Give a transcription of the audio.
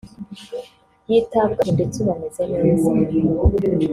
yitabwaho ndetse ubu ameze neza